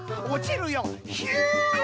おちるよひゅー！